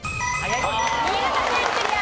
新潟県クリア。